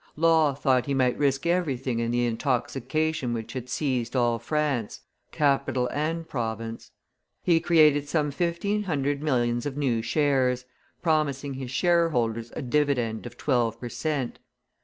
Law thought he might risk everything in the intoxication which had seized all France, capital and province. He created some fifteen hundred millions of new shares, promising his shareholders a dividend of twelve per cent.